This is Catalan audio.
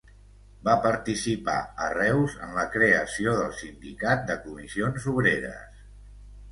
Va participar a Reus en la creació del sindicat de Comissions Obreres.